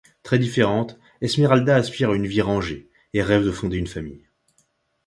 Très différente, Esméralda aspire à une vie rangée et rêve de fonder une famille.